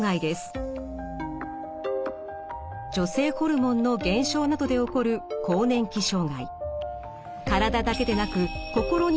女性ホルモンの減少などで起こる現れます。